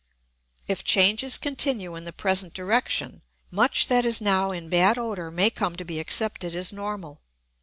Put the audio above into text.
If changes continue in the present direction much that is now in bad odour may come to be accepted as normal.